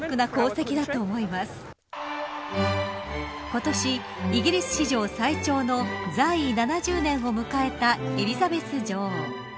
今年、イギリス史上最長の在位７０年を迎えたエリザベス女王。